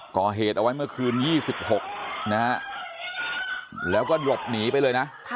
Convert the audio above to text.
ก่อเหตุเอาไว้เมื่อคืน๒๖นะฮะแล้วก็หลบหนีไปเลยนะ